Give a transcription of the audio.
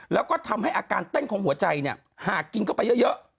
แล้วก็ทำให้อาการเต้นของหัวใจหาก่ินเข้าไปเยอะเยอะ